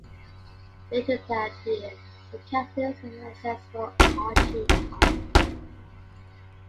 Later that year, the company's assets were auctioned off.